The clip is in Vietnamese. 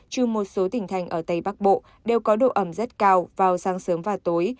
trừ một số tỉnh thành ở tây bắc bộ đều có độ ẩm rất cao vào sáng sớm và tối